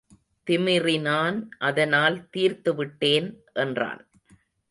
திமிறினான் அதனால் தீர்த்து விட்டேன் என்றான்.